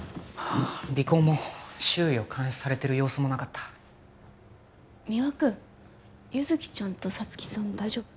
尾行も周囲を監視されてる様子もなかった三輪君優月ちゃんと沙月さん大丈夫？